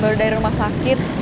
baru dari rumah sakit